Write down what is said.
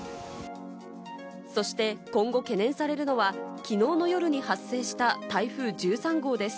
そして今後、懸念されるのはきのうの夜に発生した台風１３号です。